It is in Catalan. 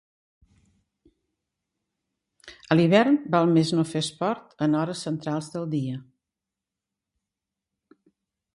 A l'hivern val més no fer esport en hores centrals del dia.